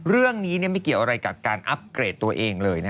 เรื่องนี้ไม่เกี่ยวอะไรกับการอัพเกรดตัวเองเลย